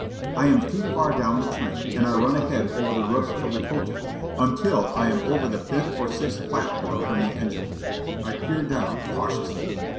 I am too far down the train, and I run ahead over the roofs of the coaches until I am over the fifth or sixth platform from the engine. I peer down cautiously.